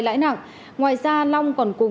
lãi nặng ngoài ra long còn cùng